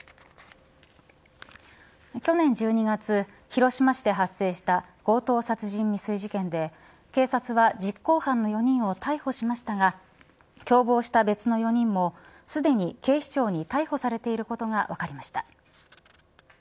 去年１２月、広島市で発生した強盗殺人未遂事件で警察は実行犯の４人を逮捕しましたが共謀した別の４人もすでに警視庁に逮捕されていることが分かりました。